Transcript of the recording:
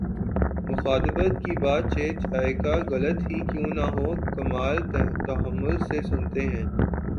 مخاطب کی بات چہ جائیکہ غلط ہی کیوں نہ ہوکمال تحمل سے سنتے ہیں